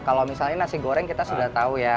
kalau misalnya nasi goreng kita sudah tahu ya